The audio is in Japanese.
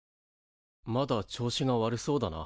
まだ調子が悪そうだな。